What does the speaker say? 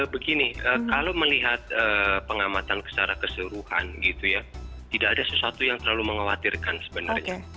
begini kalau melihat pengamatan secara keseluruhan gitu ya tidak ada sesuatu yang terlalu mengkhawatirkan sebenarnya